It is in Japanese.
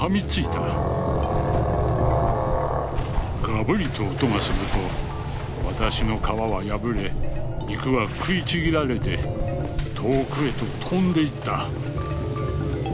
「ガブリと音がすると私の皮は破れ肉は食いちぎられて遠くへと飛んで行った」。